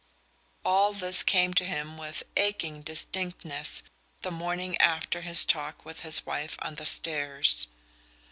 All this came to him with aching distinctness the morning after his talk with his wife on the stairs.